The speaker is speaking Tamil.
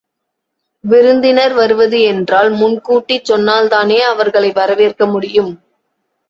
விருந்தினர் வருவது என்றால் முன்கூட்டிச் சொன்னால்தானே அவர்களை வரவேற்க முடியும்.